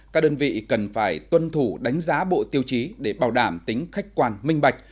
các đơn vị cần phải tuân thủ đánh giá bộ tiêu chí để bảo đảm tính khách quan minh bạch